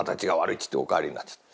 っつってお帰りになっちゃった。